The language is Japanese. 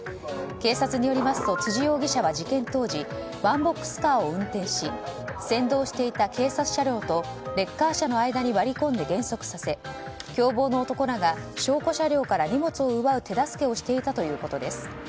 警察によりますと辻容疑者は事件当時ワンボックスカーを運転し先導していた警察車両とレッカー車の間に割り込んで減速させ共謀の男らが証拠車両から荷物を奪う手助けをしていたということです。